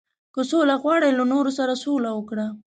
• که سوله غواړې، له نورو سره سوله وکړه.